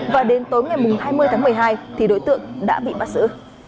và đến tối ngày hai mươi tháng một mươi hai đối tượng đã bị bắt xử